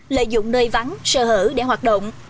lợi dụng nơi vắng sở hữu để hoạt động